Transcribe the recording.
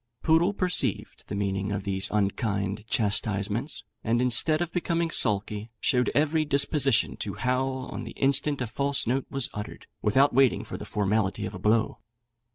Poodle perceived the meaning of these unkind chastisements, and instead of becoming sulky, showed every disposition to howl on the instant a false note was uttered, without waiting for the formality of a blow.